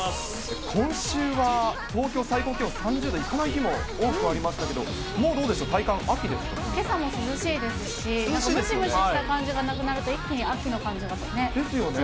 今週は、東京、最高気温３０度いかない日も多くありましたけど、もうどうでしょけさも涼しいですし、ムシムシした感じがなくなると、一気に秋の感じがね。